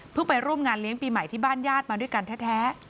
ไปร่วมงานเลี้ยงปีใหม่ที่บ้านญาติมาด้วยกันแท้